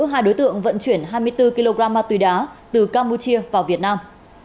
hai đối tượng vận chuyển hai mươi bốn kg tùy đá từ campuchia vào việt nam